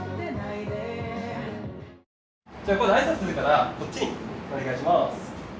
じゃあ洸大挨拶するからこっちにお願いします。